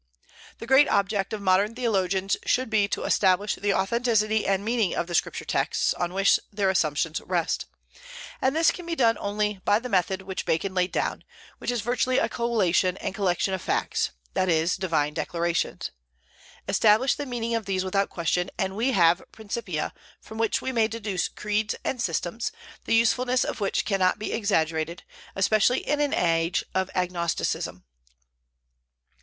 The great object of modern theologians should be to establish the authenticity and meaning of the Scripture texts on which their assumptions rest; and this can be done only by the method which Bacon laid down, which is virtually a collation and collection of facts, that is, divine declarations. Establish the meaning of these without question, and we have principia from which we may deduce creeds and systems, the usefulness of which cannot be exaggerated, especially in an age of agnosticism.